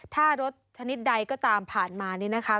ถ้ารถชนิดใดก็ตามผ่านมานี่นะคะ